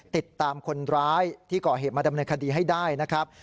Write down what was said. ติดตามคนร้ายที่ก่อเหตุมาดำเนินคดีให้ได้นะครับ